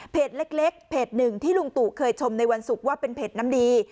เล็กเพจหนึ่งที่ลุงตู่เคยชมในวันศุกร์ว่าเป็นเพจน้ำดี